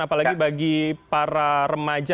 apalagi bagi para remaja